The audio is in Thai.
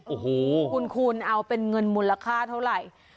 โอ้โหคุณเอาเป็นเงินมูลค่าเท่าไหร่